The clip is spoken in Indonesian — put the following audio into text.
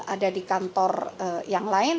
ada di kantor yang lain